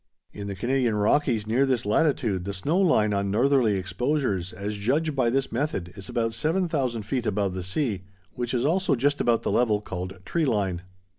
In the Canadian Rockies near this latitude the snow line on northerly exposures, as judged by this method, is about 7000 feet above the sea, which is also just about the level called tree line.